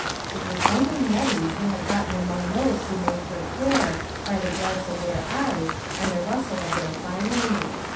It was only Nettie who had gotten among those who made her care, by the glance of their eyes, and the rustle of their finery.